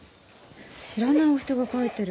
知らないお人が書いてる。